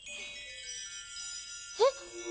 えっ？